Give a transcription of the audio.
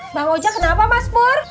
mbak ojek kenapa mas pur